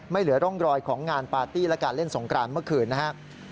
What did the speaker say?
เหลือร่องรอยของงานปาร์ตี้และการเล่นสงกรานเมื่อคืนนะครับ